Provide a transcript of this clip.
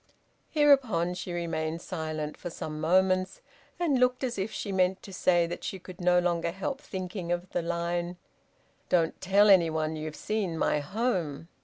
Hereupon she remained silent for some moments, and looked as if she meant to say that she could no longer help thinking of the line: Don't tell anyone you've seen my home.